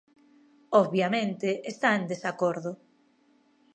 Obviamente está en desacordo.